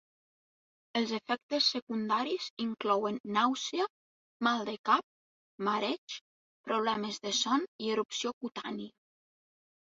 Els efectes secundaris inclouen nàusea, mal de cap, mareig, problemes de son i erupció cutània.